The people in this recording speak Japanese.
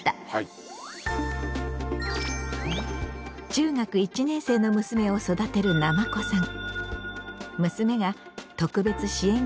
中学１年生の娘を育てるなまこさん。